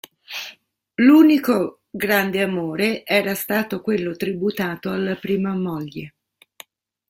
L'unico grande amore era stato quello tributato alla prima moglie.